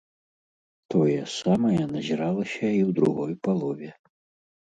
Тое самае назіралася і ў другой палове.